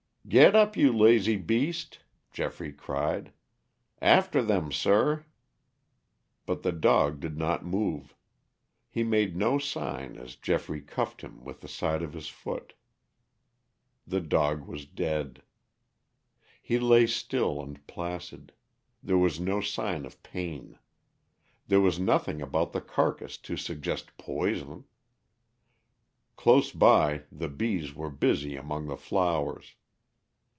"Get up, your lazy beast," Geoffrey cried; "after them, sir." But the dog did not move; he made no sign as Geoffrey cuffed him with the side of his foot. The dog was dead. He lay still and placid; there was no sign of pain. There was nothing about the carcass to suggest poison. Close by the bees were busy among the flowers.